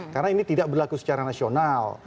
karena ini tidak berlaku secara nasional